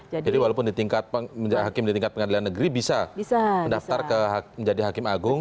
jadi walaupun ditingkat pengadilan negeri bisa mendaftar menjadi hakim agung